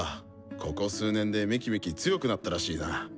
ここ数年でめきめき強くなったらしいな。